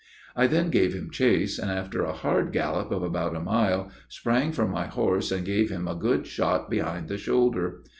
I then gave him chase, and, after a hard gallop of about a mile, sprang from my horse and gave him a good shot behind the shoulder.